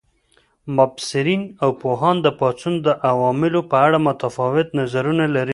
مبصرین او پوهان د پاڅون د عواملو په اړه متفاوت نظرونه لري.